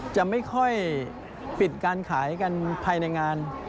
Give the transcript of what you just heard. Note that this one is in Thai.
จะไม่ค่อยปิดการขายกันภายในงาน